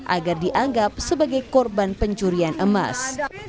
agar dianggap sebagai korban pencurian emas